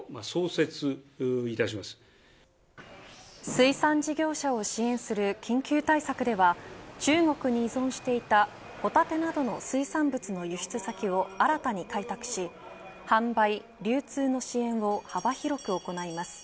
水産事業者を支援する緊急対策では中国に依存していたホタテなどの水産物の輸出先を新たに開拓し、販売・流通の支援を幅広く行います。